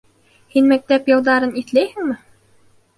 Һин мәктәп йылдарын иҫләйһеңме?